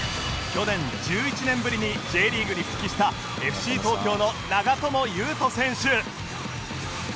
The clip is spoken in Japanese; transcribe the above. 去年１１年ぶりに Ｊ リーグに復帰した ＦＣ 東京の長友佑都選手